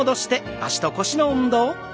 脚と腰の運動です。